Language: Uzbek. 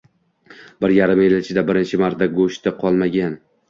Bir yarim yil ichida birinchi marta goʻshti qolmagan.